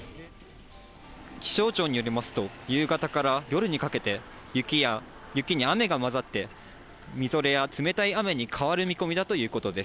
気象庁によりますと、夕方から夜にかけて、雪に雨が交ざって、みぞれや冷たい雨に変わる見込みだということです。